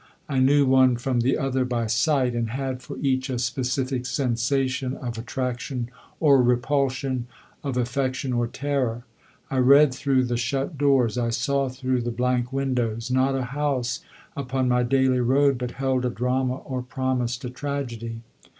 I knew one from the other by sight, and had for each a specific sensation of attraction or repulsion, of affection or terror. I read through the shut doors, I saw through the blank windows; not a house upon my daily road but held a drama or promised a tragedy.